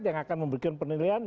yang akan memberikan penilaian